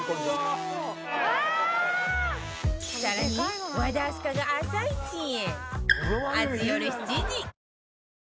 さらに和田明日香が朝市へ